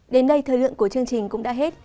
đến đây thời lượng của chương trình cũng đã hết